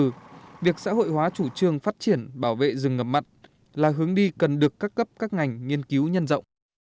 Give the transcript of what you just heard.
từ việc xã hội hóa chủ trương phát triển bảo vệ rừng ngập mặn là hướng đi cần được các cấp các ngành nghiên cứu nhân rộng